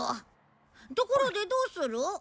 ところでどうする？